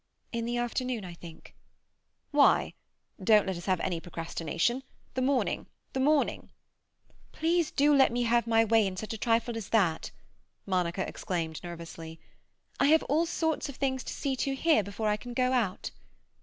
"In the afternoon, I think." "Why? Don't let us have any procrastination. The morning, the morning!" "Please do let me have my way in such a trifle as that," Monica exclaimed nervously. "I have all sorts of things to see to here before I can go out."